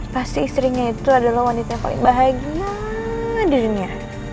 pasti istrinya itu adalah wanita yang paling bahagia dengan dirinya